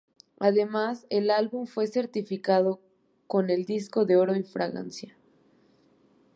Además el álbum fue certificado con el disco de oro en Francia.